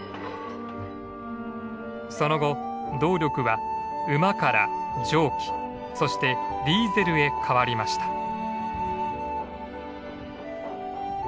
その後動力は馬から蒸気そしてディーゼルへ変わりました。